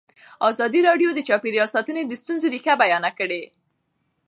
ازادي راډیو د چاپیریال ساتنه د ستونزو رېښه بیان کړې.